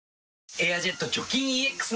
「エアジェット除菌ＥＸ」